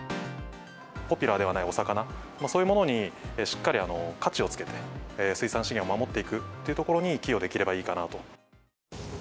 ポピュラーではないお魚、そういうものにしっかり価値をつけて、水産資源を守っていくっていうところに寄与できればいいかなと。